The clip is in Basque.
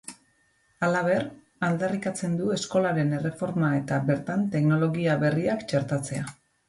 Halaber, aldarrikatzen du eskolaren erreforma eta bertan teknologia berriak txertatzea.